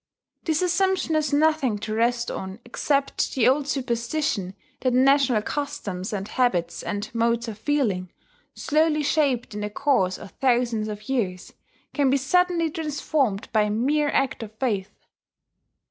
This assumption has nothing to rest on except the old superstition that national customs and habits and modes of feeling, slowly shaped in the course of thousands of years, can be suddenly transformed by a mere act of faith.